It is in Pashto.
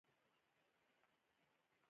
بیا لوستل